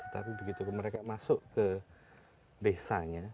tapi begitu mereka masuk ke desanya